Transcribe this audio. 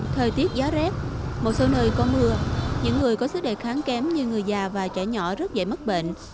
thời tiết giá rét một số nơi có mưa những người có sức đề kháng kém như người già và trẻ nhỏ rất dễ mất bệnh